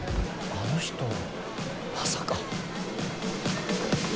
あの人まさか。